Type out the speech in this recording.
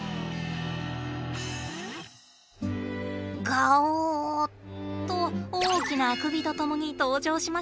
ガオッと大きなあくびとともに登場しました。